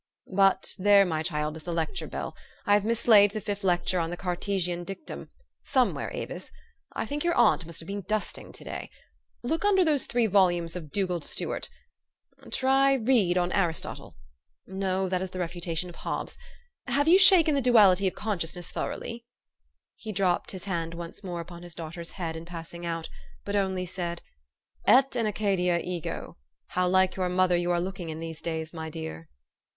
But there, my child, is the lecture bell. I have mislaid the fifth lecture on the Cartesian dictum, somewhere, Avis : I think your aunt must have been dusting to day. Look under those three volumes of Dugald Stewart. Try Reid on Aristotle. No, that is the refutation of Ilobbes. Have you shaken the Duality of Consciousness thoroughly? " He dropped his hand once more upon his daugh ter's head in passing out, but only said, " Et in Acadia ego. How like your mother you are looking in these days, my dear